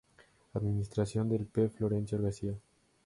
Administración del P. Florencio García.